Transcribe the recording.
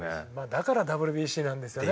だからＷＢＣなんですよね！